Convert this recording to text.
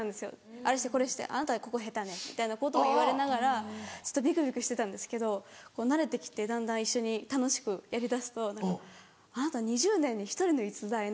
「あれしてこれしてあなたここ下手ね」みたいなことを言われながらビクビクしてたんですけど慣れて来てだんだん一緒に楽しくやりだすと「あなた２０年に１人の逸材ね。